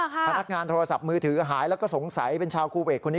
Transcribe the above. พนักงานโทรศัพท์มือถือหายแล้วก็สงสัยเป็นชาวคูเวทคนนี้